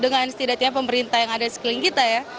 dengan setidaknya pemerintah yang ada di sekeliling kita ya